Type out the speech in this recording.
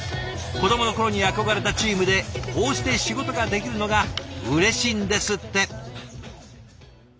子どもの頃に憧れたチームでこうして仕事ができるのがうれしいんですって。